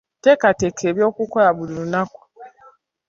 Teekateeka eby'okukola buli lunaku.